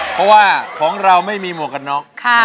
เพราะว่าของเราไม่มีหมวกกันน็อก